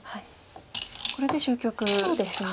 これで終局ですか。